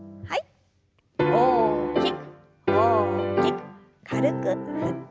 大きく大きく軽く振って。